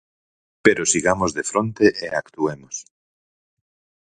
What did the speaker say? Pero sigamos de fronte e actuemos.